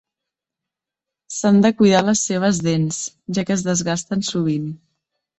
S'han de cuidar les seves dents, ja que es desgasten sovint.